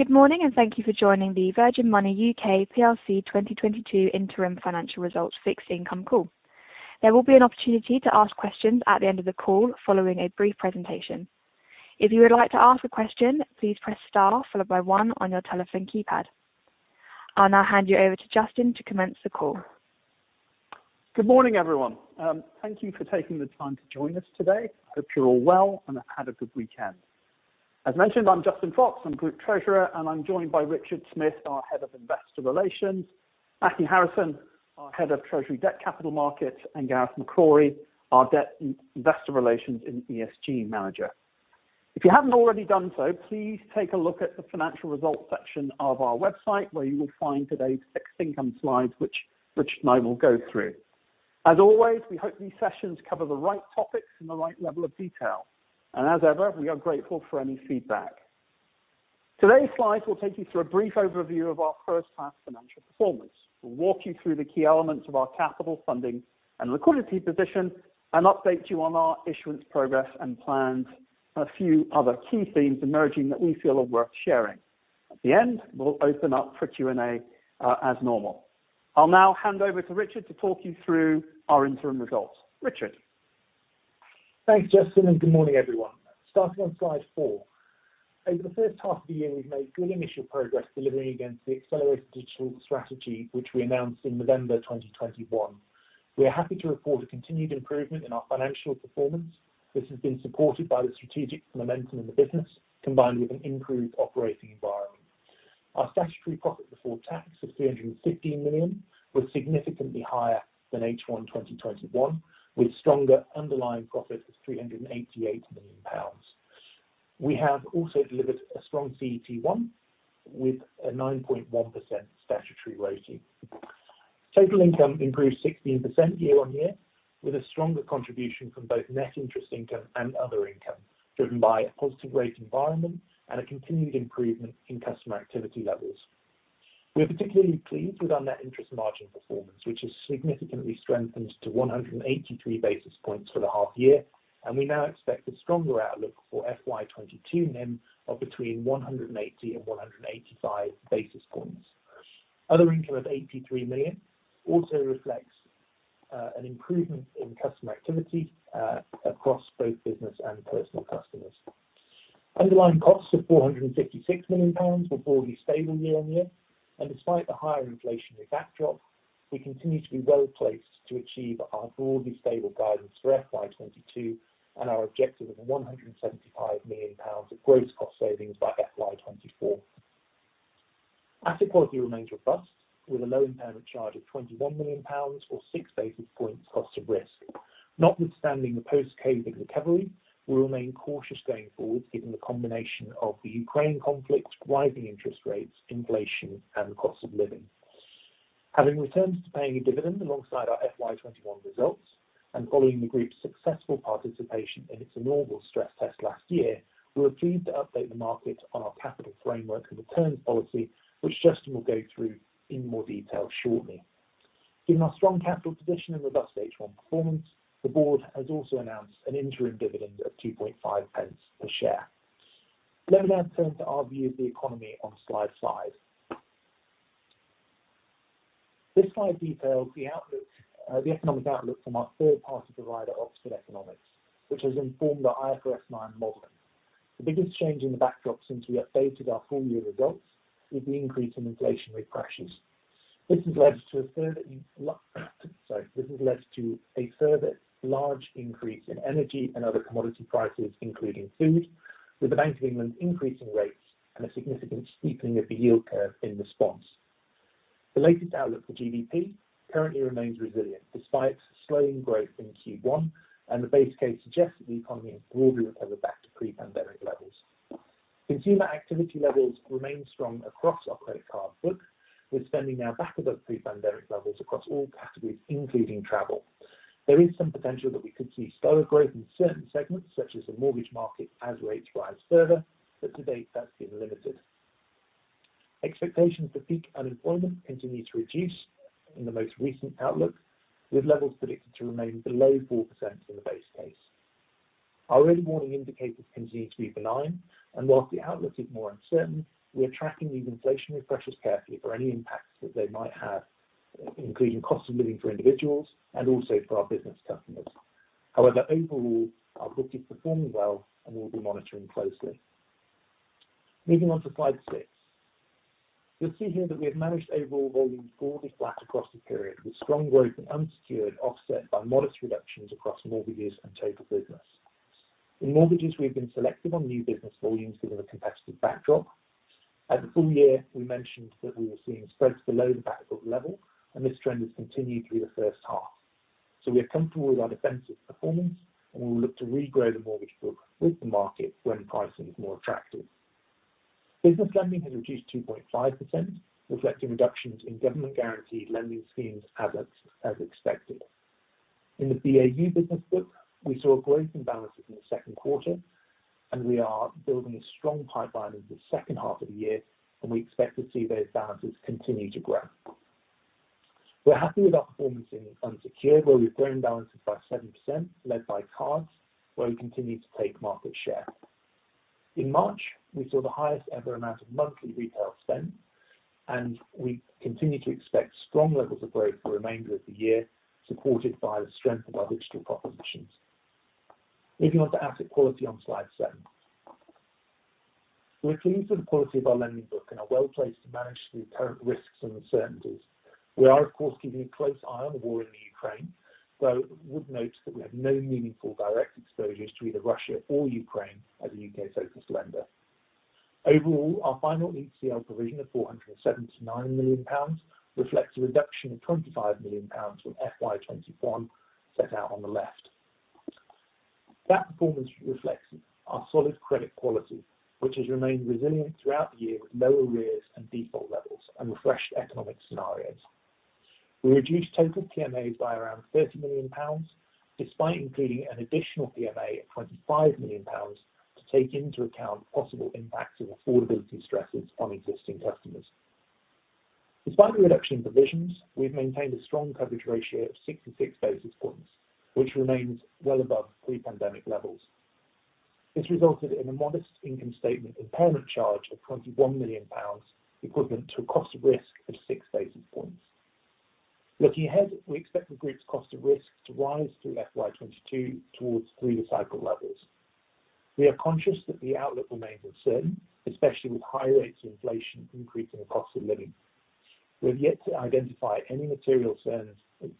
Good morning, and thank you for joining the Virgin Money UK PLC 2022 Interim Financial Results Fixed Income call. There will be an opportunity to ask questions at the end of the call following a brief presentation. If you would like to ask a question, please press star followed by one on your telephone keypad. I'll now hand you over to Justin to commence the call. Good morning, everyone. Thank you for taking the time to join us today. Hope you're all well and have had a good weekend. As mentioned, I'm Justin Fox, I'm Group Treasurer, and I'm joined by Richard Smith, our Head of Investor Relations, Matthew Harrison, our Head of Treasury Debt Capital Markets, and Gareth McCrorie, our Debt Investor Relations and ESG Manager. If you haven't already done so, please take a look at the financial results section of our website where you will find today's fixed income slides which Richard and I will go through. As always, we hope these sessions cover the right topics and the right level of detail. As ever, we are grateful for any feedback. Today's slides will take you through a brief overview of our first half financial performance. We'll walk you through the key elements of our capital funding and liquidity position and update you on our issuance progress and plans, and a few other key themes emerging that we feel are worth sharing. At the end, we'll open up for Q&A as normal. I'll now hand over to Richard to talk you through our interim results. Richard. Thanks, Justin, and good morning, everyone. Starting on slide 4. Over the first half of the year, we've made good initial progress delivering against the accelerated digital strategy, which we announced in November 2021. We are happy to report a continued improvement in our financial performance. This has been supported by the strategic momentum in the business, combined with an improved operating environment. Our statutory profit before tax of 315 million was significantly higher than H1 2021, with stronger underlying profits of 388 million pounds. We have also delivered a strong CET1 with a 9.1% statutory rating. Total income improved 16% year-on-year, with a stronger contribution from both net interest income and other income, driven by a positive rate environment and a continued improvement in customer activity levels. We are particularly pleased with our net interest margin performance, which has significantly strengthened to 183 basis points for the half year, and we now expect a stronger outlook for FY 2022 NIM of between 180 and 185 basis points. Other income of 83 million also reflects an improvement in customer activity across both business and personal customers. Underlying costs of 466 million pounds were broadly stable year-on-year, and despite the higher inflationary backdrop, we continue to be well placed to achieve our broadly stable guidance for FY 2022 and our objective of 175 million pounds of gross cost savings by FY 2024. Asset quality remains robust with a low impairment charge of 21 million pounds or 6 basis points cost of risk. Notwithstanding the post-COVID recovery, we remain cautious going forward given the combination of the Ukraine conflict, rising interest rates, inflation and cost of living. Having returned to paying a dividend alongside our FY 2021 results and following the group's successful participation in its annual stress test last year, we were pleased to update the market on our capital framework and returns policy, which Justin will go through in more detail shortly. Given our strong capital position and robust H1 performance, the board has also announced an interim dividend of 0.025 per share. Let me now turn to our view of the economy on slide 5. This slide details the outlook, the economic outlook from our third-party provider, Oxford Economics, which has informed our IFRS 9 model. The biggest change in the backdrop since we updated our full year results is the increase in inflationary pressures. This has led to a further large increase in energy and other commodity prices, including food, with the Bank of England increasing rates and a significant steepening of the yield curve in response. The latest outlook for GDP currently remains resilient despite slowing growth in Q1, and the base case suggests that the economy has broadly recovered back to pre-pandemic levels. Consumer activity levels remain strong across our credit card book, with spending now back above pre-pandemic levels across all categories, including travel. There is some potential that we could see slower growth in certain segments such as the mortgage market as rates rise further, but to date, that's been limited. Expectations for peak unemployment continue to reduce in the most recent outlook, with levels predicted to remain below 4% in the base case. Our early warning indicators continue to be benign, and while the outlook is more uncertain, we are tracking these inflationary pressures carefully for any impacts that they might have, including cost of living for individuals and also for our business customers. However, overall, our book is performing well, and we'll be monitoring closely. Moving on to slide 6. You'll see here that we have managed overall volume broadly flat across the period, with strong growth in unsecured offset by modest reductions across mortgages and total business. In mortgages, we've been selective on new business volumes given the competitive backdrop. At the full year, we mentioned that we were seeing spreads below the back book level and this trend has continued through the first half. We are comfortable with our defensive performance, and we will look to regrow the mortgage book with the market when pricing is more attractive. Business lending has reduced 2.5%, reflecting reductions in government guaranteed lending schemes as expected. In the BAU business book, we saw a growth in balances in the second quarter, and we are building a strong pipeline into the second half of the year, and we expect to see those balances continue to grow. We're happy with our performance in unsecured, where we've grown balances by 7%, led by cards where we continue to take market share. In March, we saw the highest ever amount of monthly retail spend, and we continue to expect strong levels of growth for the remainder of the year, supported by the strength of our digital propositions. Moving on to asset quality on slide 7. We're pleased with the quality of our lending book and are well-placed to manage the current risks and uncertainties. We are, of course, keeping a close eye on the war in the Ukraine, though would note that we have no meaningful direct exposures to either Russia or Ukraine as a UK-focused lender. Overall, our final ECL provision of 479 million pounds reflects a reduction of 25 million pounds from FY 2021 set out on the left. That performance reflects our solid credit quality, which has remained resilient throughout the year with low arrears and default levels and refreshed economic scenarios. We reduced total TMAs by around 30 million pounds, despite including an additional TMA of 25 million pounds to take into account possible impacts of affordability stresses on existing customers. Despite the reduction in provisions, we've maintained a strong coverage ratio of 66 basis points, which remains well above pre-pandemic levels. This resulted in a modest income statement impairment charge of 21 million pounds, equivalent to a cost risk of 6 basis points. Looking ahead, we expect the group's cost of risk to rise through FY 2022 towards three cycle levels. We are conscious that the outlook remains uncertain, especially with high rates of inflation increasing the cost of living. We have yet to identify any material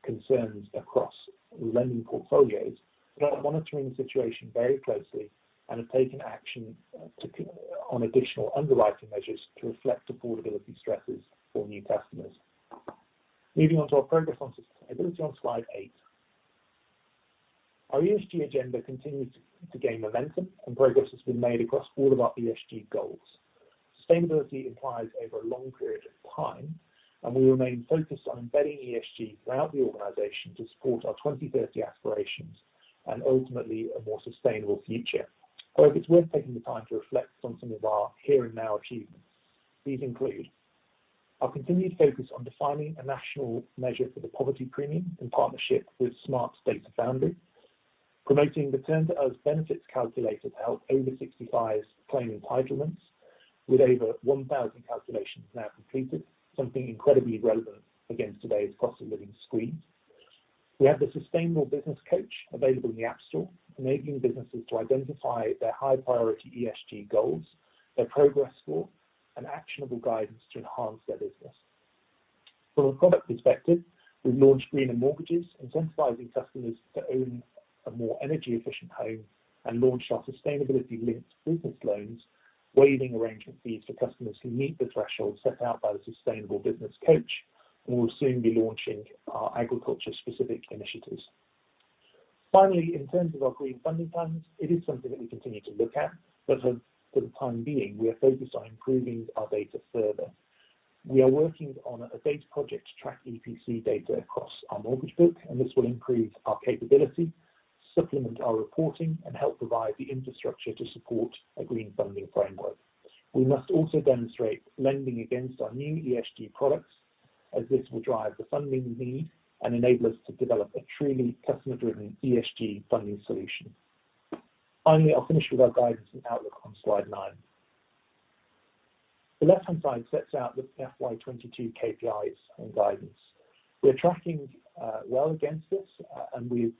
concerns across lending portfolios, but are monitoring the situation very closely, and have taken action on additional underwriting measures to reflect affordability stresses for new customers. Moving on to our progress on sustainability on slide 8. Our ESG agenda continues to gain momentum and progress has been made across all of our ESG goals. Sustainability implies over a long period of time, and we remain focused on embedding ESG throughout the organization to support our 2030 aspirations and ultimately a more sustainable future. It is worth taking the time to reflect on some of our here and now achievements. These include our continued focus on defining a national measure for the poverty premium in partnership with Smart Data Foundry. Promoting the Turn2Us benefits calculator to help over 65s claim entitlements with over 1,000 calculations now completed, something incredibly relevant against today's cost of living squeeze. We have the sustainable business coach available in the App Store, enabling businesses to identify their high priority ESG goals, their progress score, and actionable guidance to enhance their business. From a product perspective, we've launched greener mortgages, incentivizing customers to own a more energy efficient home and launched our sustainability linked business loans, waiving arrangement fees for customers who meet the threshold set out by the sustainable business coach, and we'll soon be launching our agriculture specific initiatives. Finally, in terms of our green funding plans, it is something that we continue to look at, but for the time being, we are focused on improving our data further. We are working on a data project to track EPC data across our mortgage book, and this will improve our capability, supplement our reporting, and help provide the infrastructure to support a green funding framework. We must also demonstrate lending against our new ESG products, as this will drive the funding we need and enable us to develop a truly customer-driven ESG funding solution. Finally, I'll finish with our guidance and outlook on slide 9. The left-hand side sets out the FY 2022 KPIs and guidance. We're tracking well against this, and we've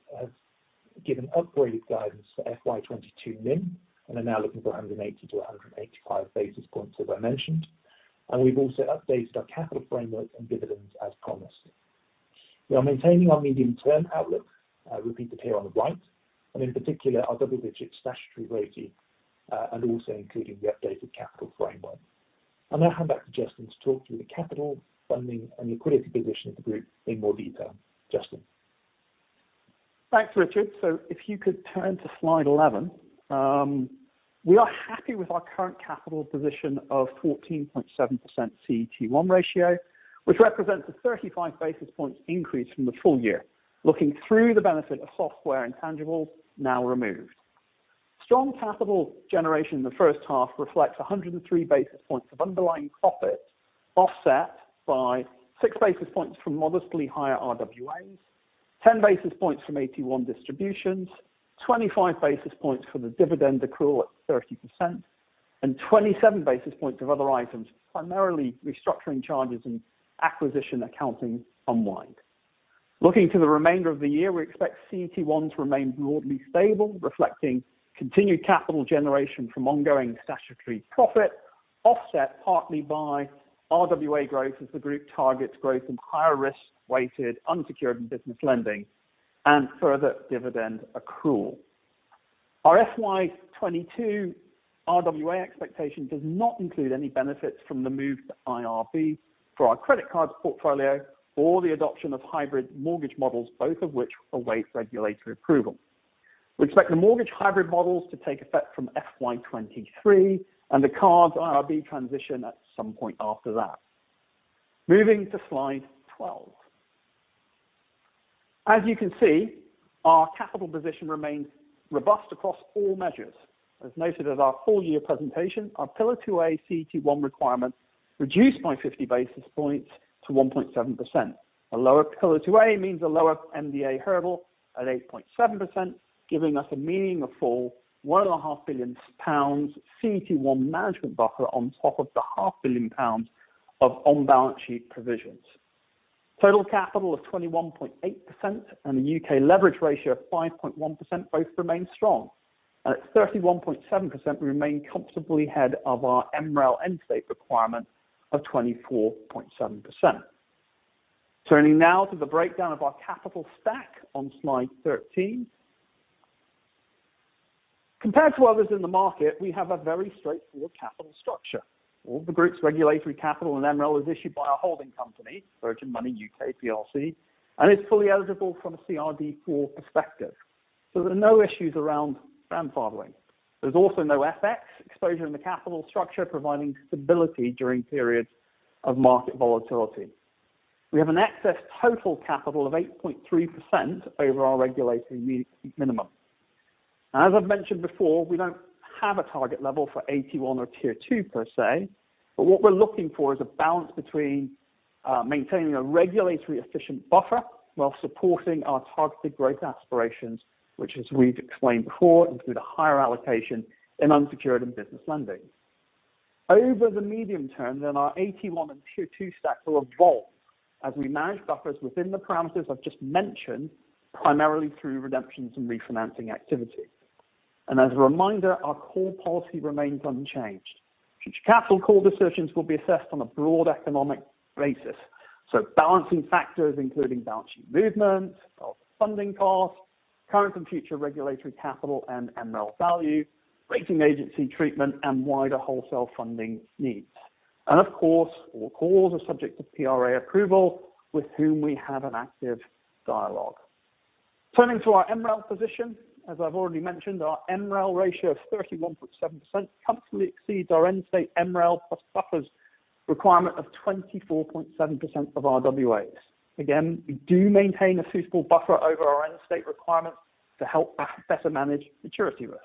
given upgraded guidance for FY 2022 NIM, and are now looking for 180-185 basis points as I mentioned. We've also updated our capital framework and dividends as promised. We are maintaining our medium-term outlook, repeated here on the right, and in particular our double-digit statutory RoTE, and also including the updated capital framework. I'll now hand back to Justin to talk through the capital funding and liquidity position of the group in more detail. Justin. Thanks, Richard. If you could turn to slide 11. We are happy with our current capital position of 14.7% CET1 ratio, which represents a 35 basis points increase from the full year. Looking through the benefit of software and tangible now removed. Strong capital generation in the first half reflects 103 basis points of underlying profit, offset by 6 basis points from modestly higher RWAs, 10 basis points from AT1 distributions, 25 basis points for the dividend accrual at 30%, and 27 basis points of other items, primarily restructuring charges and acquisition accounting unwind. Looking to the remainder of the year, we expect CET1 to remain broadly stable, reflecting continued capital generation from ongoing statutory profit, offset partly by RWA growth as the group targets growth from higher risk weighted unsecured business lending and further dividend accrual. Our FY 2022 RWA expectation does not include any benefits from the move to IRB for our credit card portfolio or the adoption of hybrid mortgage models, both of which await regulatory approval. We expect the mortgage hybrid models to take effect from FY 2023 and the cards IRB transition at some point after that. Moving to slide 12. As you can see, our capital position remains robust across all measures. As noted at our full year presentation, our Pillar 2A CET1 requirements reduced by 50 basis points to 1.7%. A lower Pillar 2A means a lower MDA hurdle at 8.7%, giving us a meaningful 1.5 billion pounds CET1 management buffer on top of the 0.5 billion pounds of on-balance sheet provisions. Total capital of 21.8% and the UK leverage ratio of 5.1% both remain strong. At 31.7%, we remain comfortably ahead of our MREL end state requirement of 24.7%. Turning now to the breakdown of our capital stack on slide 13. Compared to others in the market, we have a very straightforward capital structure. All the group's regulatory capital and MREL is issued by our holding company, Virgin Money UK PLC, and it's fully eligible from a CRD IV perspective. There are no issues around grandfathering. There's also no FX exposure in the capital structure, providing stability during periods of market volatility. We have an excess total capital of 8.3% over our regulatory minimum. As I've mentioned before, we don't have a target level for AT1 or Tier 2 per se, but what we're looking for is a balance between maintaining a regulatory efficient buffer while supporting our targeted growth aspirations, which as we've explained before, include a higher allocation in unsecured and business lending. Over the medium term then, our AT1 and Tier 2 stacks will evolve as we manage buffers within the parameters I've just mentioned, primarily through redemptions and refinancing activity. As a reminder, our core policy remains unchanged. Future capital call decisions will be assessed on a broad economic basis, so balancing factors including balance sheet movement, our funding costs, current and future regulatory capital and MREL value, rating agency treatment, and wider wholesale funding needs. Of course, all calls are subject to PRA approval with whom we have an active dialogue. Turning to our MREL position. As I've already mentioned, our MREL ratio of 31.7% comfortably exceeds our end state MREL plus buffers requirement of 24.7% of our RWAs. Again, we do maintain a suitable buffer over our end state requirements to help better manage maturity risk.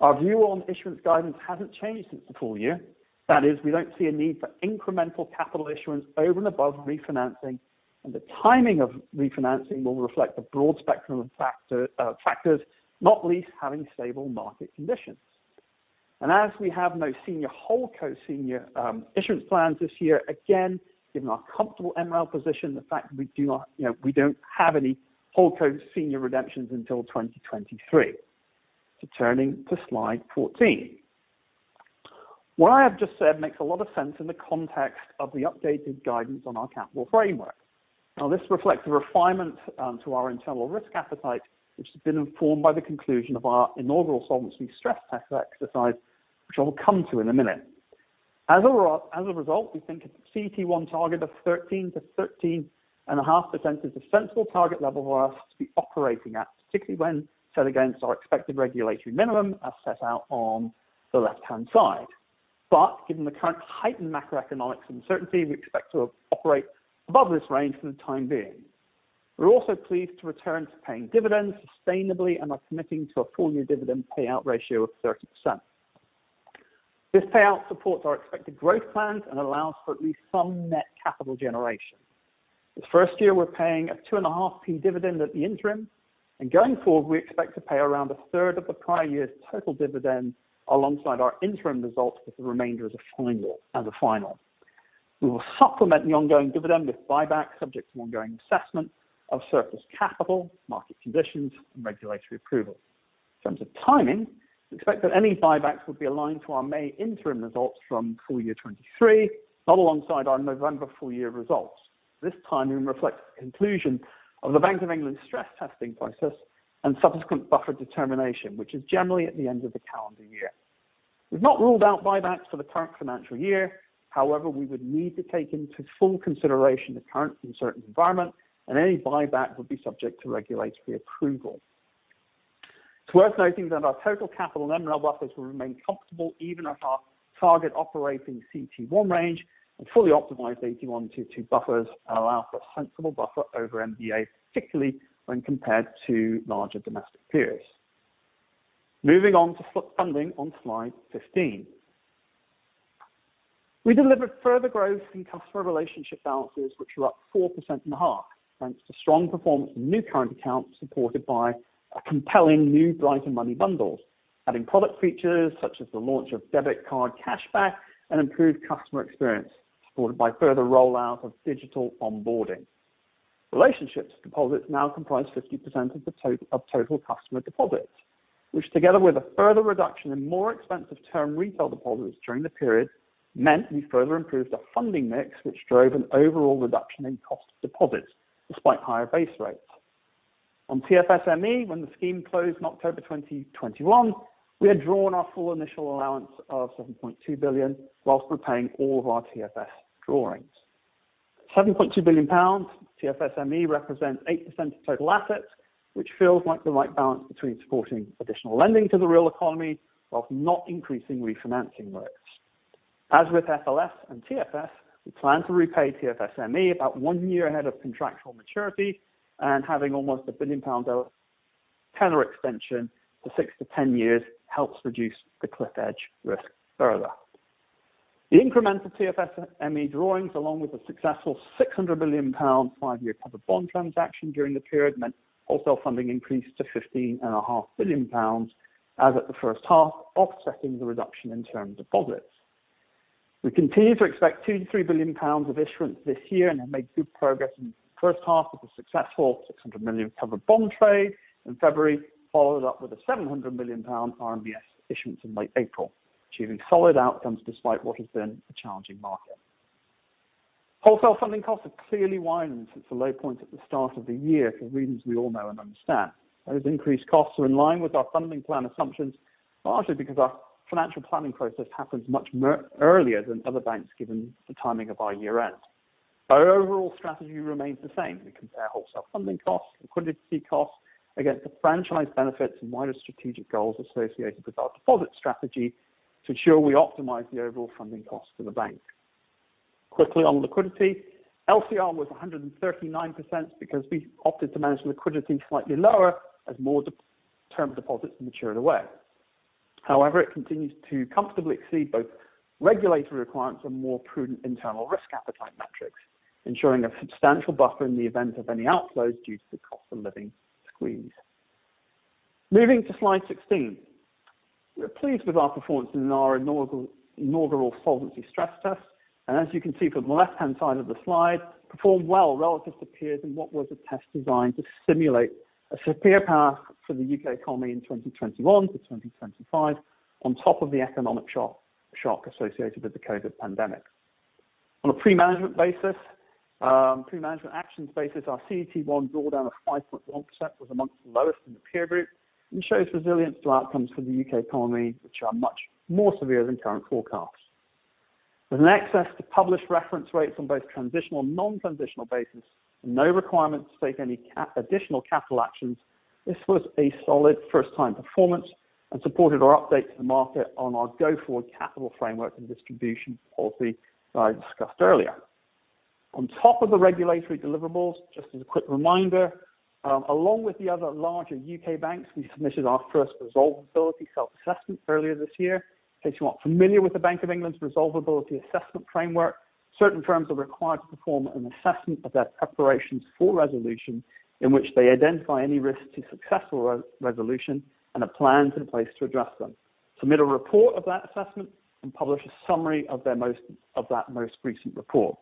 Our view on issuance guidance hasn't changed since the full year. That is, we don't see a need for incremental capital issuance over and above refinancing, and the timing of refinancing will reflect the broad spectrum of factors, not least having stable market conditions. As we have no senior holdco issuance plans this year, again, given our comfortable MREL position, you know, we don't have any holdco senior redemptions until 2023. Turning to slide 14. What I have just said makes a lot of sense in the context of the updated guidance on our capital framework. Now this reflects a refinement to our internal risk appetite, which has been informed by the conclusion of our inaugural solvency stress test exercise, which I'll come to in a minute. As a result, we think a CET1 target of 13%-13.5% is a sensible target level for us to be operating at, particularly when set against our expected regulatory minimum as set out on the left-hand side. Given the current heightened macroeconomic and uncertainty, we expect to operate above this range for the time being. We're also pleased to return to paying dividends sustainably and are committing to a full year dividend payout ratio of 30%. This payout supports our expected growth plans and allows for at least some net capital generation. This first year, we're paying a 2.5p dividend at the interim, and going forward, we expect to pay around a third of the prior year's total dividend alongside our interim results, with the remainder as a final. We will supplement the ongoing dividend with buyback, subject to ongoing assessment of surplus capital, market conditions, and regulatory approval. In terms of timing, we expect that any buybacks will be aligned to our May interim results from full year 2023, not alongside our November full year results. This timing reflects the conclusion of the Bank of England stress testing process and subsequent buffer determination, which is generally at the end of the calendar year. We've not ruled out buybacks for the current financial year. However, we would need to take into full consideration the current uncertain environment, and any buyback would be subject to regulatory approval. It's worth noting that our total capital MREL buffers will remain comfortable even at our target operating CET1 range, and fully optimized AT1, Tier 2 buffers allow for a sensible buffer over MDA, particularly when compared to larger domestic peers. Moving on to funding on slide 15. We delivered further growth in customer relationship balances, which were up 4.5%, thanks to strong performance in new current accounts, supported by a compelling new Brighter Money Bundles. Adding product features such as the launch of debit card cashback and improved customer experience, supported by further rollout of digital onboarding. Relationship deposits now comprise 50% of total customer deposits, which together with a further reduction in more expensive term retail deposits during the period, meant we further improved our funding mix, which drove an overall reduction in cost of deposits despite higher base rates. On TFSME, when the scheme closed in October 2021, we had drawn our full initial allowance of 7.2 billion while repaying all of our TFS drawings. 7.2 billion pounds TFSME represents 8% of total assets, which feels like the right balance between supporting additional lending to the real economy while not increasing refinancing rates. As with FLS and TFS, we plan to repay TFSME about one year ahead of contractual maturity, and having almost a 1 billion pound tenor extension to 6 years-10 years helps reduce the cliff edge risk further. The incremental TFSME drawings, along with a successful 600 million pounds 5-year covered bond transaction during the period meant wholesale funding increased to 15.5 billion pounds as at the first half, offsetting the reduction in term deposits. We continue to expect 2 billion-3 billion pounds of issuance this year and have made good progress in the first half of the successful 600 million covered bond trade in February, followed up with a 700 million pound RMBS issuance in late April, achieving solid outcomes despite what has been a challenging market. Wholesale funding costs have clearly widened since the low point at the start of the year for reasons we all know and understand. Those increased costs are in line with our funding plan assumptions, largely because our financial planning process happens much more earlier than other banks, given the timing of our year-end. Our overall strategy remains the same. We compare wholesale funding costs, liquidity costs against the franchise benefits and wider strategic goals associated with our deposit strategy, to ensure we optimize the overall funding costs for the bank. Quickly on liquidity. LCR was 139% because we opted to manage liquidity slightly lower as more term deposits matured away. However, it continues to comfortably exceed both regulatory requirements and more prudent internal risk appetite metrics, ensuring a substantial buffer in the event of any outflows due to the cost of living squeeze. Moving to slide 16. We are pleased with our performance in our inaugural solvency stress test, and as you can see from the left-hand side of the slide, performed well relative to peers in what was a test designed to simulate a severe path for the UK economy in 2021 to 2025 on top of the economic shock associated with the COVID pandemic. On a pre-management actions basis, our CET1 draw down of 5.1% was among the lowest in the peer group and shows resilience to outcomes for the UK economy, which are much more severe than current forecasts. With access to published reference rates on both transitional and non-transitional basis, no requirement to take any additional capital actions, this was a solid first time performance and supported our update to the market on our go forward capital framework and distribution policy that I discussed earlier. On top of the regulatory deliverables, just as a quick reminder, along with the other larger U.K. banks, we submitted our first resolvability self-assessment earlier this year. In case you're not familiar with the Bank of England's resolvability assessment framework, certain firms are required to perform an assessment of their preparations for resolution, in which they identify any risks to successful resolution and have plans in place to address them, submit a report of that assessment, and publish a summary of their most recent report.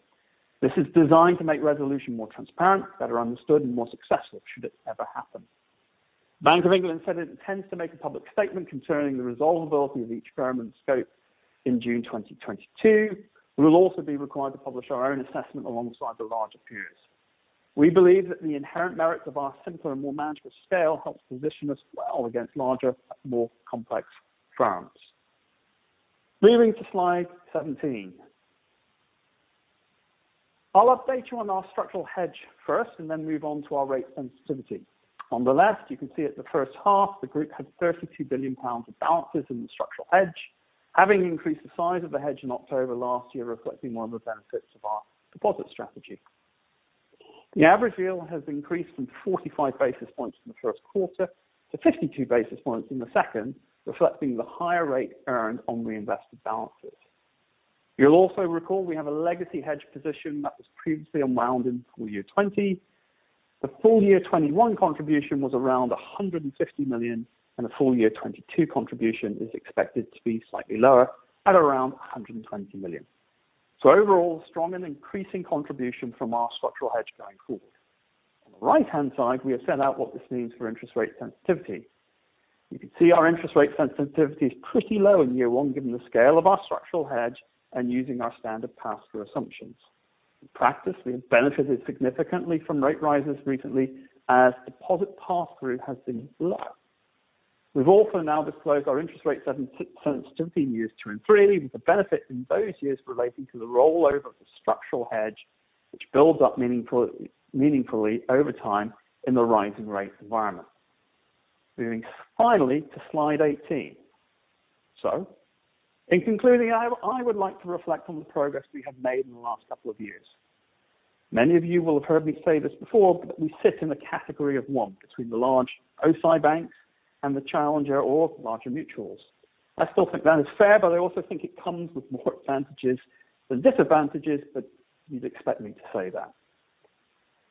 This is designed to make resolution more transparent, better understood and more successful, should it ever happen. Bank of England said that it intends to make a public statement concerning the resolvability of each firm in scope in June 2022. We will also be required to publish our own assessment alongside the larger peers. We believe that the inherent merits of our simpler and more manageable scale helps position us well against larger and more complex firms. Moving to slide 17. I'll update you on our structural hedge first and then move on to our rate sensitivity. On the left, you can see at the first half, the group had 32 billion pounds of balances in the structural hedge, having increased the size of the hedge in October last year, reflecting one of the benefits of our deposit strategy. The average yield has increased from 45 basis points in the first quarter to 52 basis points in the second, reflecting the higher rate earned on reinvested balances. You'll also recall we have a legacy hedge position that was previously unwound in full year 2020. The full year 2021 contribution was around 150 million, and the full year 2022 contribution is expected to be slightly lower at around 120 million. Overall, strong and increasing contribution from our structural hedge going forward. On the right-hand side, we have set out what this means for interest rate sensitivity. You can see our interest rate sensitivity is pretty low in year one, given the scale of our structural hedge and using our standard pass-through assumptions. In practice, we have benefited significantly from rate rises recently as deposit pass-through has been low. We've also now disclosed our interest rate sensitivity in years two and three, with the benefit in those years relating to the rollover of the structural hedge, which builds up meaningfully over time in the rising rate environment. Moving finally to slide 18. In concluding, I would like to reflect on the progress we have made in the last couple of years. Many of you will have heard me say this before, but we sit in the category of one between the large O-SII banks and the challenger or larger mutuals. I still think that is fair, but I also think it comes with more advantages than disadvantages, but you'd expect me to say that.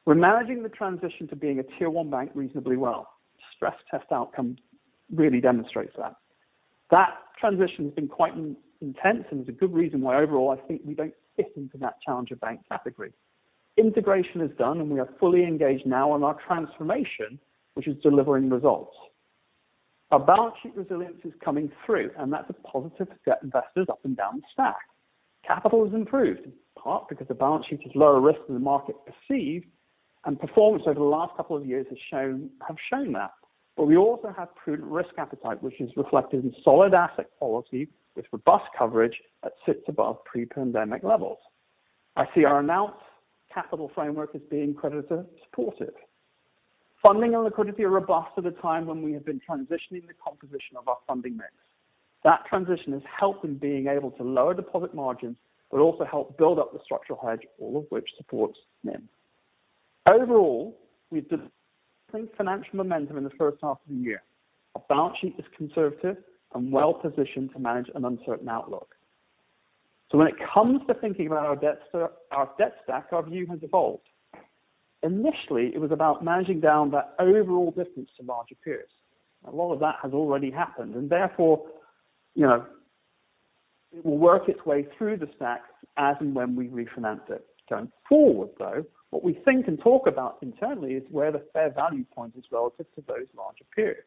We're managing the transition to being a Tier 1 bank reasonably well. Stress test outcome really demonstrates that. That transition has been quite intense, and there's a good reason why. Overall, I think we don't fit into that challenger bank category. Integration is done and we are fully engaged now on our transformation, which is delivering results. Our balance sheet resilience is coming through, and that's a positive for investors up and down the stack. Capital has improved, in part because the balance sheet is lower risk than the market perceived, and performance over the last couple of years has shown that. We also have prudent risk appetite, which is reflected in solid asset quality with robust coverage that sits above pre-pandemic levels. I see our announced capital framework as being creditor supportive. Funding and liquidity are robust at a time when we have been transitioning the composition of our funding mix. That transition is helping being able to lower deposit margins, but also help build up the structural hedge, all of which supports NIM. Overall, we've delivered strong financial momentum in the first half of the year. Our balance sheet is conservative and well-positioned to manage an uncertain outlook. When it comes to thinking about our debts, our debt stack, our view has evolved. Initially, it was about managing down that overall difference to larger peers. A lot of that has already happened, and therefore, you know, it will work its way through the stacks as and when we refinance it. Going forward, though, what we think and talk about internally is where the fair value point is relative to those larger peers.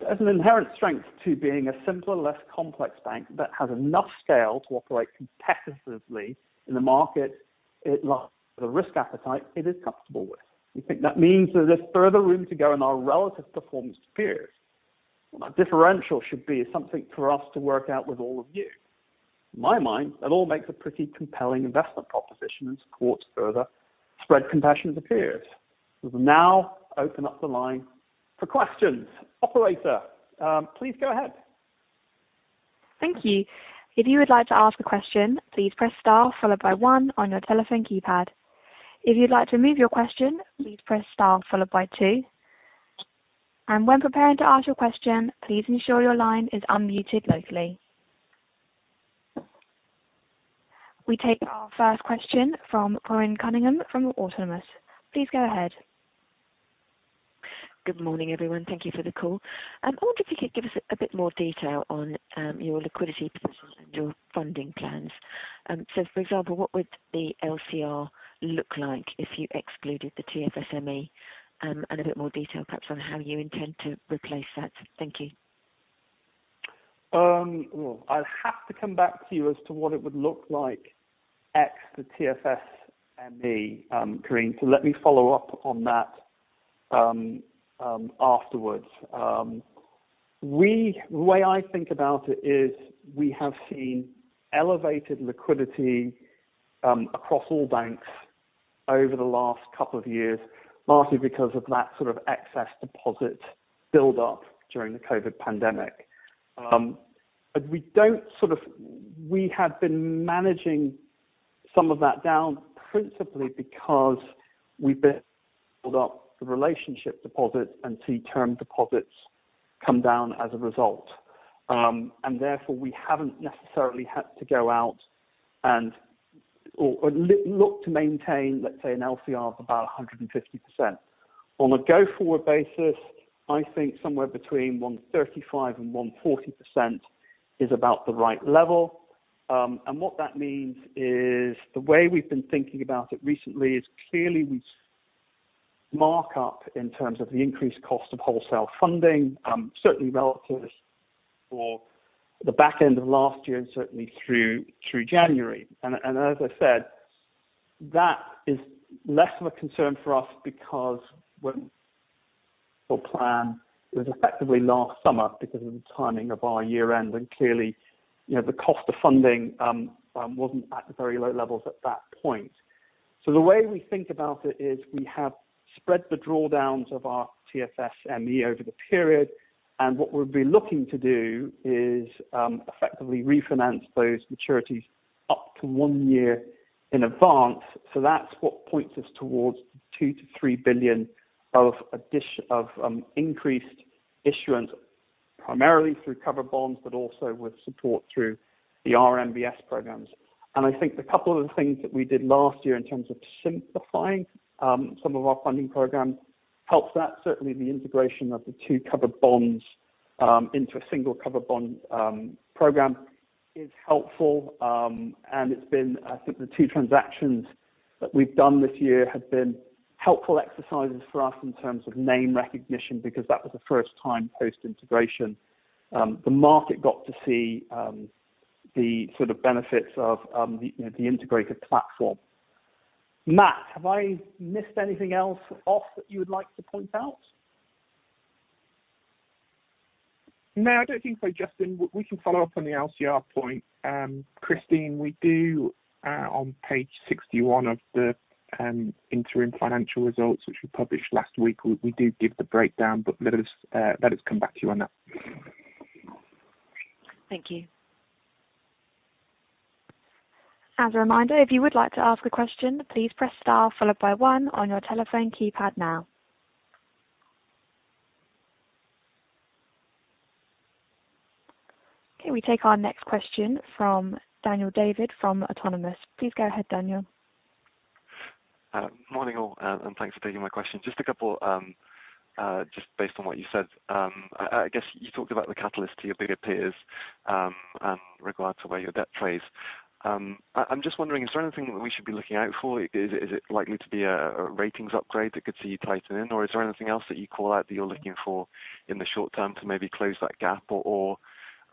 There's an inherent strength to being a simpler, less complex bank that has enough scale to operate competitively in the market. It lacks the risk appetite it is comfortable with. We think that means that there's further room to go in our relative performance to peers. What our differential should be is something for us to work out with all of you. In my mind, that all makes a pretty compelling investment proposition and supports further spread compression to peers. We will now open up the line for questions. Operator, please go ahead. Thank you. If you would like to ask a question, please press star followed by one on your telephone keypad. If you'd like to remove your question, please press star followed by two. When preparing to ask your question, please ensure your line is unmuted locally. We take our first question from Corinne Cunningham from Autonomous. Please go ahead. Good morning, everyone. Thank you for the call. I wonder if you could give us a bit more detail on, your liquidity position and your funding plans. For example, what would the LCR look like if you excluded the TFSME, and a bit more detail perhaps on how you intend to replace that? Thank you. Well, I'll have to come back to you as to what it would look like ex the TFSME, Corinne. Let me follow up on that afterwards. The way I think about it is we have seen elevated liquidity across all banks over the last couple of years, largely because of that sort of excess deposit build-up during the COVID pandemic. We have been managing some of that down principally because we've been building up the relationship deposits and seen term deposits come down as a result. Therefore, we haven't necessarily had to go out and/or look to maintain, let's say, an LCR of about 150%. On a go-forward basis, I think somewhere between 135% and 140% is about the right level. What that means is the way we've been thinking about it recently is clearly we mark up in terms of the increased cost of wholesale funding, certainly relative to the back end of last year and certainly through January. As I said, that is less of a concern for us because when our plan was effectively last summer because of the timing of our year-end, and clearly, you know, the cost of funding wasn't at very low levels at that point. The way we think about it is we have spread the drawdowns of our TFSME over the period, and what we'll be looking to do is effectively refinance those maturities up to one year in advance. That's what points us towards 2 billion-3 billion of increased issuance, primarily through cover bonds, but also with support through the RMBS programs. I think the couple of the things that we did last year in terms of simplifying some of our funding programs helps that. Certainly, the integration of the two cover bonds into a single cover bond program is helpful. It's been, I think, the two transactions that we've done this year have been helpful exercises for us in terms of name recognition, because that was the first time post-integration. The market got to see the sort of benefits of, you know, the integrated platform. Matt, have I missed anything else off that you would like to point out? No, I don't think so, Justin. We can follow up on the LCR point. Christine, we do on page 61 of the interim financial results, which we published last week, we do give the breakdown, but let us come back to you on that. Thank you. As a reminder, if you would like to ask a question, please press star followed by one on your telephone keypad now. Okay, we take our next question from Daniel David from Autonomous. Please go ahead, Daniel. Morning all, and thanks for taking my question. Just a couple, just based on what you said, I guess you talked about the catalyst to your bigger peers, regards to where your debt trades. I'm just wondering, is there anything that we should be looking out for? Is it likely to be a ratings upgrade that could see you tighten in? Or is there anything else that you call out that you're looking for in the short term to maybe close that gap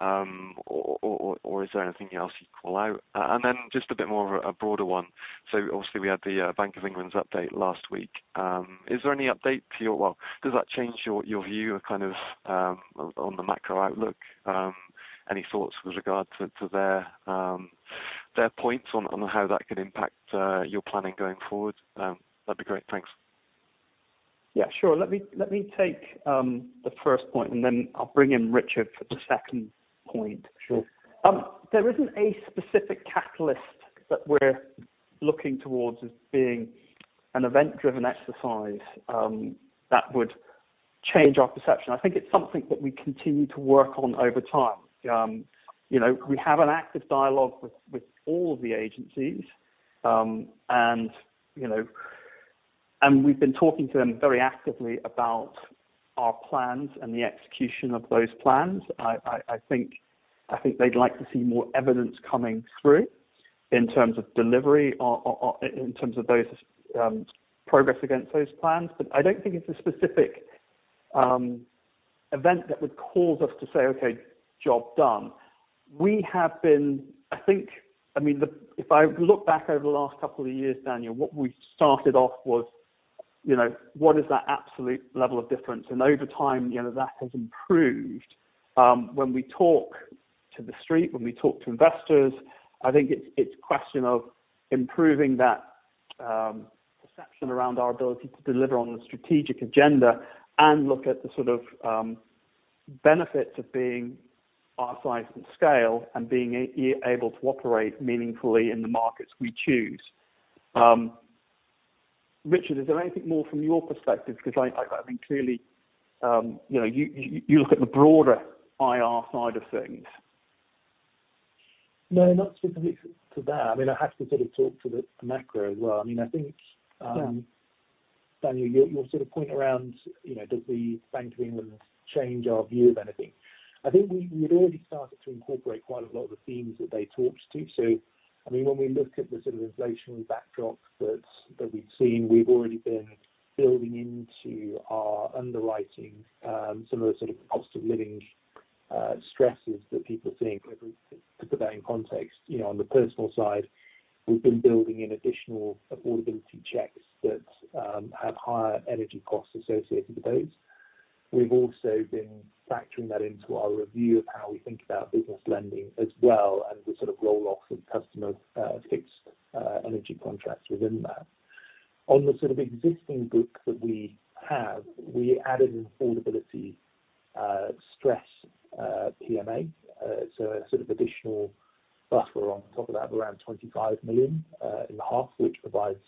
or is there anything else you call out? And then just a bit more of a broader one. Obviously, we had the Bank of England's update last week. Is there any update to your...well, does that change your view kind of on the macro outlook? Any thoughts with regard to their points on how that could impact your planning going forward? That'd be great. Thanks. Yeah, sure. Let me take the first point, and then I'll bring in Richard for the second point. Sure. There isn't a specific catalyst that we're looking towards as being an event driven exercise that would change our perception. I think it's something that we continue to work on over time. You know, we have an active dialogue with all of the agencies. You know, we've been talking to them very actively about our plans and the execution of those plans. I think they'd like to see more evidence coming through in terms of delivery, or in terms of those progress against those plans. But I don't think it's a specific event that would cause us to say, "Okay, job done." I think, I mean, if I look back over the last couple of years, Daniel, what we started off was, you know, what is that absolute level of difference? Over time, you know, that has improved. When we talk to the Street, when we talk to investors, I think it's a question of improving that perception around our ability to deliver on the strategic agenda, and look at the sort of benefits of being our size and scale, and being able to operate meaningfully in the markets we choose. Richard, is there anything more from your perspective? Because I think clearly, you know, you look at the broader IR side of things. No, not specifically to that. I mean, I have to sort of talk to the macro as well. I mean, I think- Yeah. Daniel, your sort of point around, you know, does the Bank of England change our view of anything? I think we'd already started to incorporate quite a lot of the themes that they talked to. I mean, when we look at the sort of inflationary backdrop that we've seen, we've already been building into our underwriting some of the sort of cost of living stresses that people are seeing. If we put that in context, you know, on the personal side, we've been building in additional affordability checks that have higher energy costs associated with those. We've also been factoring that into our review of how we think about business lending as well, and the sort of roll off of customer fixed energy contracts within that. On the sort of existing book that we have, we added an affordability stress PMA. So a sort of additional buffer on top of that, around 25 million in the half, which provides,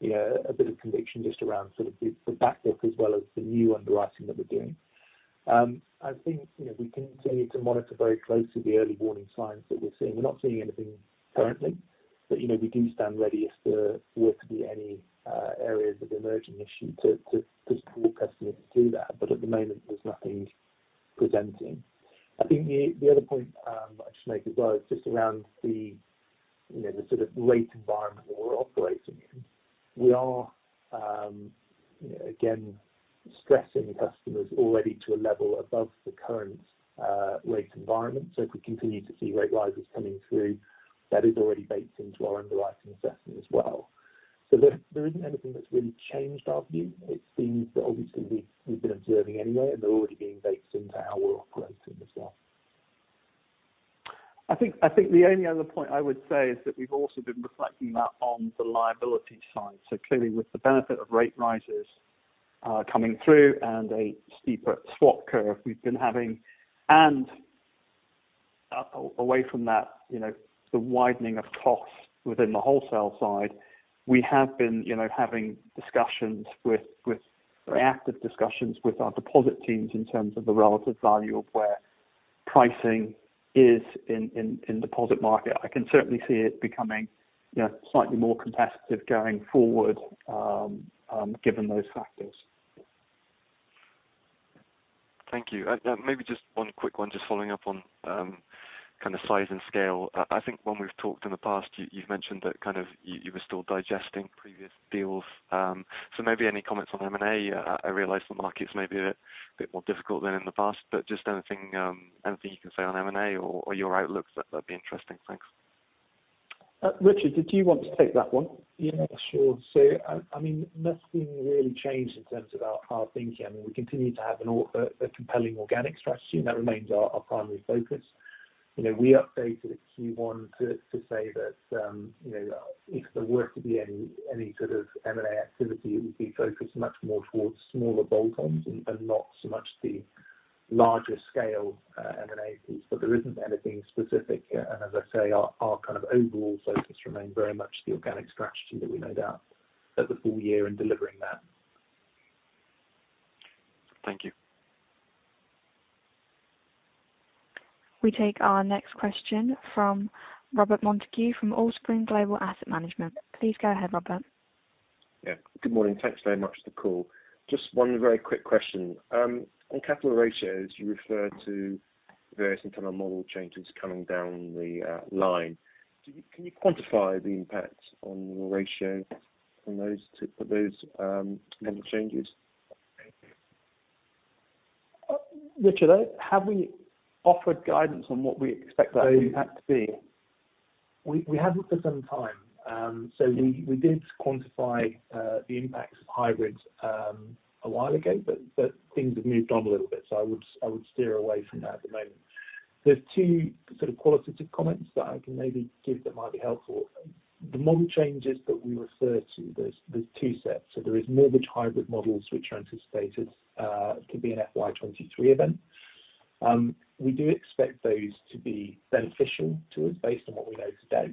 you know, a bit of conviction just around sort of the back book as well as the new underwriting that we're doing. I think, you know, we continue to monitor very closely the early warning signs that we're seeing. We're not seeing anything currently, but, you know, we do stand ready if there were to be any areas of emerging issue to support customers through that. But at the moment, there's nothing presenting. I think the other point I should make as well is just around the, you know, the sort of rate environment that we're operating in. We are, you know, again, stressing customers already to a level above the current rate environment. If we continue to see rate rises coming through, that is already baked into our underwriting assessment as well. There isn't anything that's really changed our view. It seems that obviously we've been observing anyway, and they're already being baked into how we're operating as well. I think the only other point I would say is that we've also been reflecting that on the liability side. Clearly with the benefit of rate rises coming through and a steeper swap curve we've been having. Away from that, you know, the widening of costs within the wholesale side, we have been, you know, having very active discussions with our deposit teams in terms of the relative value of where pricing is in deposit market. I can certainly see it becoming, you know, slightly more competitive going forward, given those factors. Thank you. Maybe just one quick one, just following up on kind of size and scale. I think when we've talked in the past, you've mentioned that you were still digesting previous deals. Maybe any comments on M&A? I realize the market is maybe a bit more difficult than in the past, but just anything you can say on M&A or your outlook, that'd be interesting. Thanks. Richard, did you want to take that one? Yeah, sure. I mean, nothing really changed in terms of our thinking. I mean, we continue to have a compelling organic strategy, and that remains our primary focus. You know, we updated Q1 to say that, you know, if there were to be any sort of M&A activity, it would be focused much more towards smaller bolt-ons and not so much the larger scale M&A piece. There isn't anything specific. As I say, our kind of overall focus remains very much the organic strategy that we laid out at the full year in delivering that. Thank you. We take our next question from Robert Montague from Allspring Global Investments. Please go ahead, Robert. Yeah. Good morning. Thanks very much for the call. Just one very quick question. On capital ratios, you referred to various internal model changes coming down the line. Can you quantify the impact on your ratio from those model changes? Richard, have we offered guidance on what we expect that impact to be? We haven't for some time. We did quantify the impacts of hybrids a while ago, but things have moved on a little bit, so I would steer away from that at the moment. There are two sort of qualitative comments that I can maybe give that might be helpful. The model changes that we refer to, there are two sets. There is mortgage hybrid models which are anticipated could be an FY 2023 event. We do expect those to be beneficial to us based on what we know today.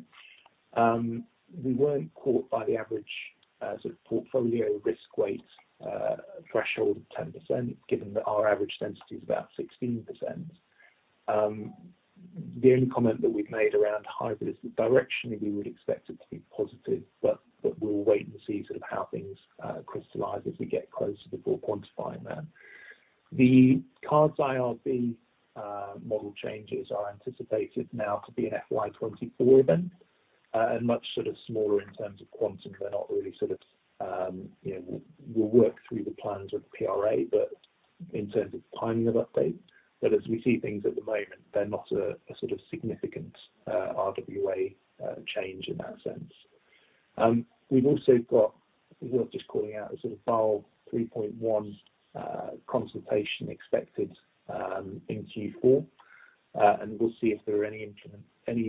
We weren't caught by the average LGD as a portfolio risk weight threshold of 10%, given that our average LGD density is about 16%. The only comment that we've made around hybrid is the direction we would expect it to be positive, but we'll wait and see sort of how things crystallize as we get closer before quantifying that. The cards IRB model changes are anticipated now to be an FY 2024 event, and much sort of smaller in terms of quantum. They're not really sort of, you know, we'll work through the plans with PRA, but in terms of timing of updates. As we see things at the moment, they're not a sort of significant RWA change in that sense. We've also got worth just calling out a sort of Basel 3.1 consultation expected in Q4. We'll see if there are any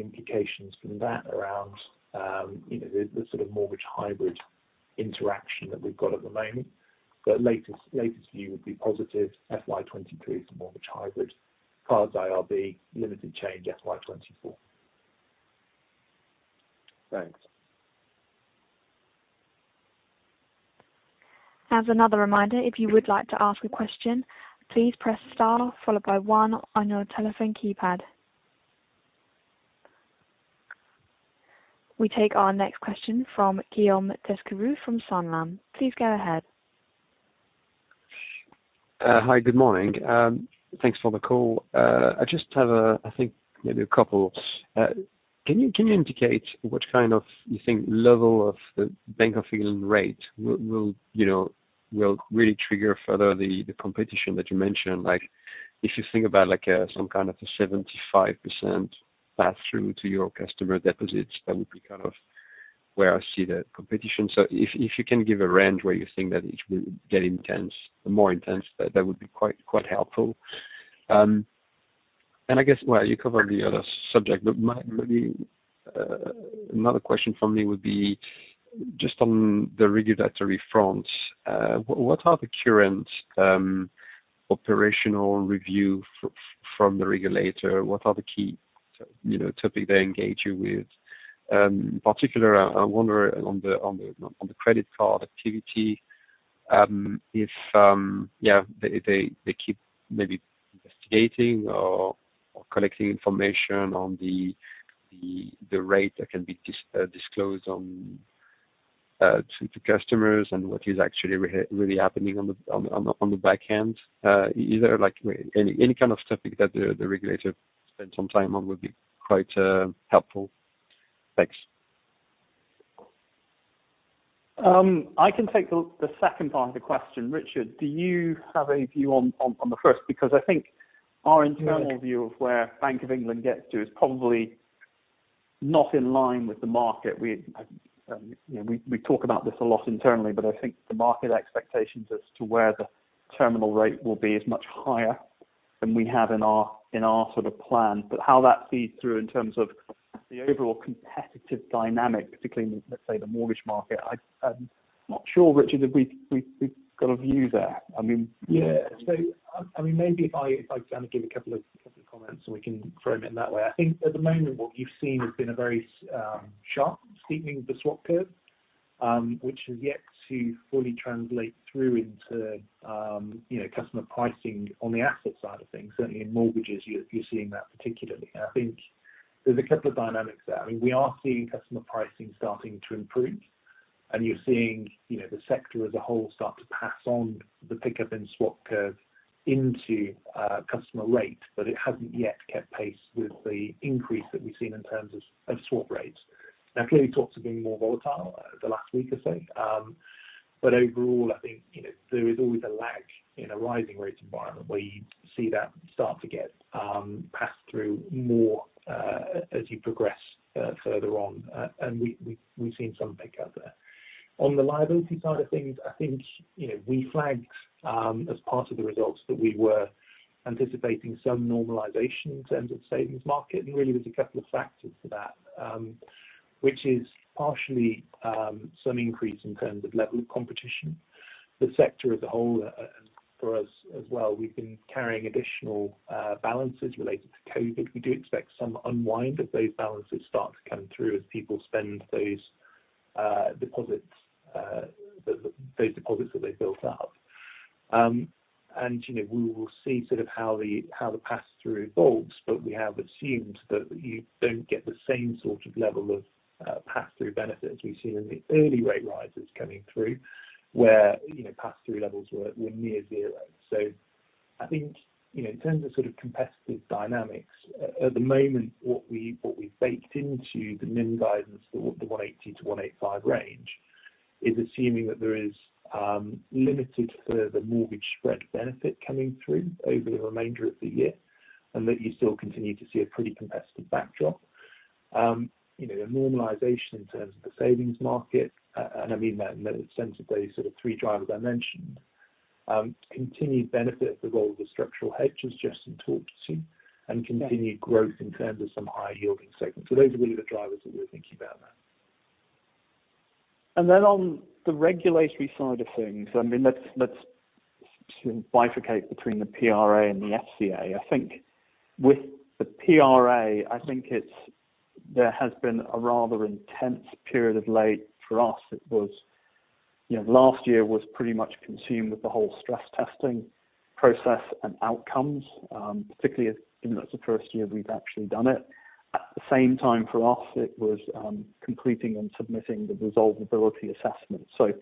implications from that around, you know, the sort of mortgage hybrid interaction that we've got at the moment. Latest view would be positive FY 2023 for mortgage hybrid. Cards IRB, limited change FY 2024. Thanks. As another reminder, if you would like to ask a question, please press star followed by one on your telephone keypad. We take our next question from Guillaume Desqueyroux from Sanlam. Please go ahead. Hi. Good morning. Thanks for the call. I just have, I think maybe a couple. Can you indicate which kind of you think level of the Bank of England rate will you know will really trigger further the competition that you mentioned? Like, if you think about like some kind of a 75% pass-through to your customer deposits, that would be kind of where I see the competition. If you can give a range where you think that it will get intense, more intense, that would be quite helpful. I guess, well, you covered the other subject, but my maybe another question from me would be just on the regulatory front, what are the current operational review from the regulator? What are the key topic they engage you with? In particular I wonder on the credit card activity, if yeah they keep maybe investigating or collecting information on the rate that can be disclosed to customers and what is actually really happening on the back end. Is there like any kind of topic that the regulator spend some time on would be quite helpful? Thanks. I can take the second part of the question. Richard, do you have a view on the first? Because I think our internal view of where Bank of England gets to is probably not in line with the market. We, you know we talk about this a lot internally, but I think the market expectations as to where the terminal rate will be is much higher than we have in our sort of plan. How that feeds through in terms of the overall competitive dynamic, particularly in, let's say, the mortgage market, I'm not sure, Richard, if we've got a view there. I mean. Yeah. I mean, maybe if I kind of give a couple of comments, and we can frame it in that way. I think at the moment what you've seen has been a very sharp steepening of the swap curve, which is yet to fully translate through into, you know, customer pricing on the asset side of things. Certainly in mortgages you're seeing that particularly. I think there's a couple of dynamics there. I mean, we are seeing customer pricing starting to improve and you're seeing, you know, the sector as a whole start to pass on the pickup in swap curve into customer rate, but it hasn't yet kept pace with the increase that we've seen in terms of swap rates. Now, clearly swaps have been more volatile the last week or so, but overall I think, you know, there is always a lag in a rising rate environment where you see that start to get passed through more, as you progress further on. We've seen some pickup there. On the liability side of things, I think, you know, we flagged as part of the results that we were anticipating some normalization in terms of savings market, and really there's a couple of factors to that, which is partially some increase in terms of level of competition. The sector as a whole, for us as well, we've been carrying additional balances related to COVID. We do expect some unwind of those balances start to come through as people spend those deposits that they built up. You know, we will see sort of how the pass-through evolves, but we have assumed that you don't get the same sort of level of pass-through benefit as we've seen in the early rate rises coming through where, you know, pass-through levels were near zero. I think, you know, in terms of sort of competitive dynamics, at the moment what we baked into the NIM guidance for the 180-185 range is assuming that there is limited further mortgage spread benefit coming through over the remainder of the year, and that you still continue to see a pretty competitive backdrop. You know, the normalization in terms of the savings market, and I mean that in the sense of those sort of three drivers I mentioned. Continued benefit of the role of the structural hedges Justin talked to, and continued growth in terms of some higher yielding segments. Those are really the drivers that we're thinking about there. On the regulatory side of things, I mean, let's bifurcate between the PRA and the FCA. I think with the PRA, there has been a rather intense period of late for us. It was, you know, last year was pretty much consumed with the whole stress testing process and outcomes, particularly as, you know, it's the first year we've actually done it. At the same time for us, it was completing and submitting the resolvability assessment. So,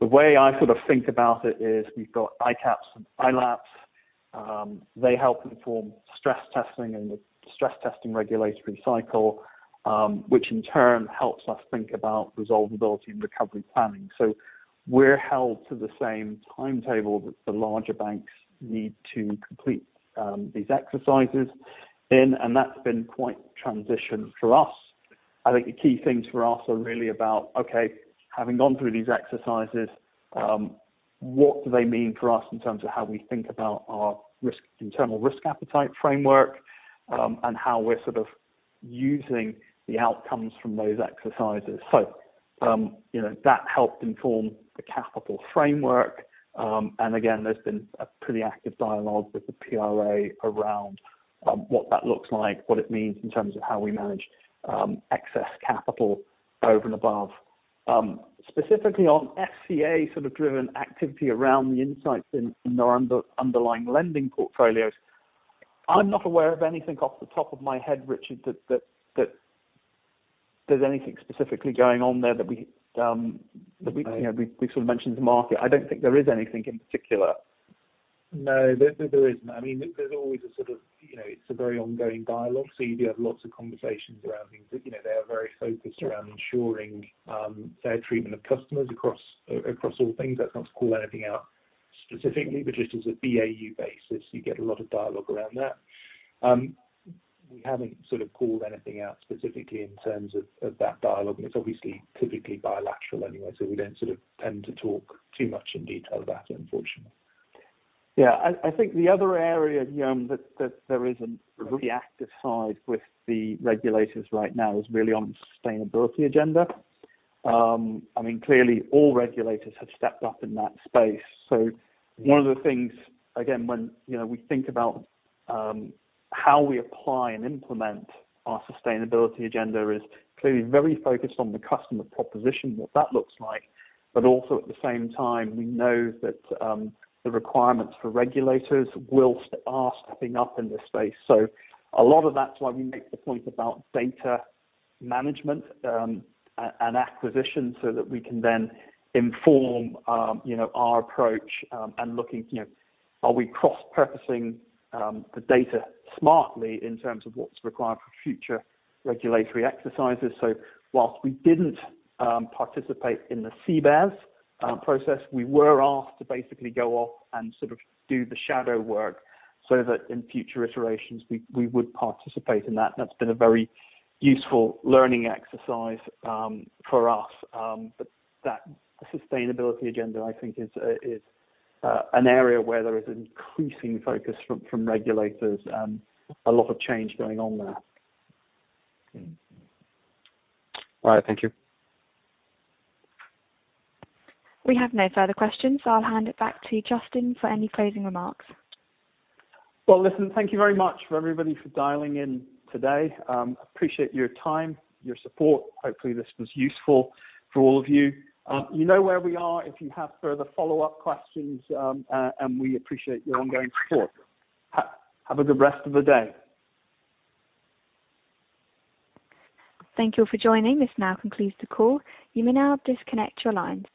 the way I sort of think about it is we've got ICAAP and ILAAP. They help inform stress testing and the stress testing regulatory cycle, which in turn helps us think about resolvability and recovery planning. So, we're held to the same timetable that the larger banks need to complete these exercises in, and that's been quite transition for us. I think the key things for us are really about, okay, having gone through these exercises, what do they mean for us in terms of how we think about our risk, internal risk appetite framework, and how we're sort of using the outcomes from those exercises. You know, that helped inform the capital framework. Again, there's been a pretty active dialogue with the PRA around, what that looks like, what it means in terms of how we manage, excess capital over and above. Specifically, on FCA sort of driven activity around the insights in our underlying lending portfolios. I'm not aware of anything off the top of my head, Richard, that there's anything specifically going on there that we, you know, we've sort of mentioned to the market. I don't think there is anything in particular. No. There isn't. I mean, there's always a sort of, you know, it's a very ongoing dialogue. You do have lots of conversations around things that, you know, they are very focused around ensuring fair treatment of customers across all things. That's not to call anything out specifically, but just as a BAU basis, you get a lot of dialogue around that. We haven't sort of called anything out specifically in terms of that dialogue. It's obviously typically bilateral anyway, so we don't sort of tend to talk too much in detail about it, unfortunately. Yeah. I think the other area that there is a really active side with the regulators right now is really on the sustainability agenda. I mean, clearly all regulators have stepped up in that space. One of the things, again, when, you know, we think about how we apply and implement our sustainability agenda is clearly very focused on the customer proposition, what that looks like. Also at the same time we know that the requirements for regulators are stepping up in this space. A lot of that's why we make the point about data management and acquisition so that we can then inform, you know, our approach and looking, you know, are we cross-purposing the data smartly in terms of what's required for future regulatory exercises. While we didn't participate in the CBES process, we were asked to basically go off and sort of do the shadow work so that in future iterations we would participate in that. That's been a very useful learning exercise for us. That sustainability agenda I think is an area where there is increasing focus from regulators. A lot of change going on there. All right. Thank you. We have no further questions. I'll hand it back to Justin for any closing remarks. Well, listen, thank you very much for everybody for dialing in today. Appreciate your time, your support. Hopefully, this was useful for all of you. You know where we are if you have further follow-up questions. We appreciate your ongoing support. Have a good rest of the day. Thank you for joining. This now concludes the call. You may now disconnect your lines.